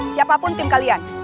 siapapun tim kalian